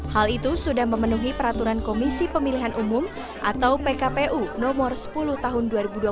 hal itu sudah memenuhi peraturan komisi pemilihan umum atau pkpu nomor sepuluh tahun dua ribu dua puluh